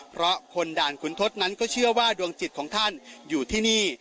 เพราะคนด่านขุนทศนั้นก็เชื่อว่าดวงจิตของท่านอยู่ที่นี่